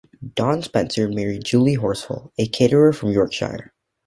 Don Spencer married Julie Horsfall, a caterer from Yorkshire.